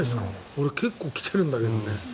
俺、結構来てるんだけどね。